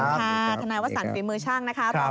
ขอบคุณค่ะธนายวสัตว์ฝีมือช่างนะครับ